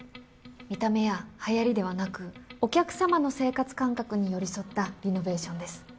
見た目やはやりではなくお客様の生活感覚に寄り添ったリノベーションです。